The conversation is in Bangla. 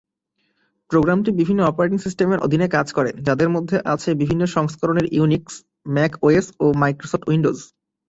প্রোগ্রামটি বিভিন্ন অপারেটিং সিস্টেমের অধীনে কাজ করে, যাদের মধ্যে আছে বিভিন্ন সংস্করণের ইউনিক্স, ম্যাক ওএস, ও মাইক্রোসফট উইন্ডোজ।